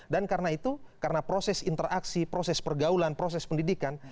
dan karena itu karena proses interaksi proses pergaulan proses pendidikan